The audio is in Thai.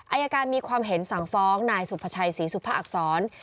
อายการมีความเห็นสั่งฟ้องนายสุภาชัยศรีสุภาอักษร